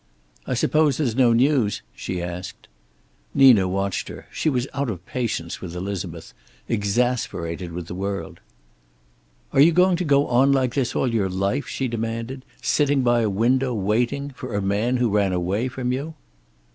"I suppose there's no news?" she asked. Nina watched her. She was out of patience with Elizabeth, exasperated with the world. "Are you going to go on like this all your life?" she demanded. "Sitting by a window, waiting? For a man who ran away from you?"